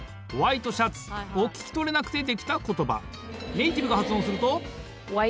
ネーティブが発音すると。